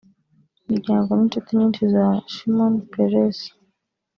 imiryango n’inshuti nyinshi za Shimon Peres